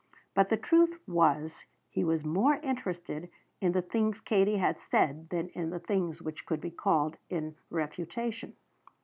But the truth was he was more interested in the things Katie had said than in the things which could be called in refutation.